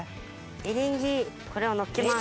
エリンギこれをのっけます。